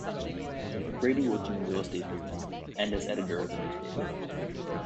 Brady worked in the real estate business, and as editor of a newspaper.